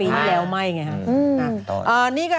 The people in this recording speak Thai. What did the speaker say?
ปีนี้แล้วไม่อย่างงี้ครับ